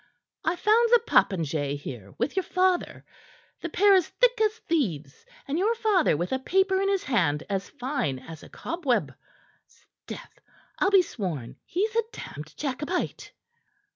I found the popinjay here with your father, the pair as thick as thieves and your father with a paper in his hand as fine as a cobweb. 'Sdeath! I'll be sworn he's a damned Jacobite."